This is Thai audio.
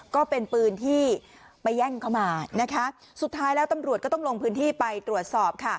ก็เป็นปืนที่ไปแย่งเขามานะคะสุดท้ายแล้วตำรวจก็ต้องลงพื้นที่ไปตรวจสอบค่ะ